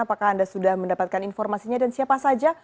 apakah anda sudah mendapatkan informasinya dan siapa saja